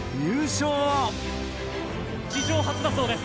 史上初だそうです。